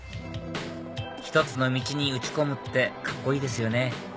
１つの道に打ち込むってカッコいいですよね